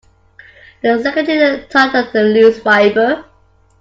The secretary tugged at a loose fibre.